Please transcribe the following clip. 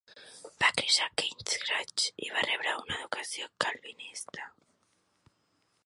Va créixer a Keizersgracht i va rebre una educació calvinista.